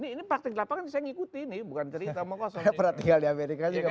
ini praktik lapangan bisa ngikuti nih bukan cerita mau kosong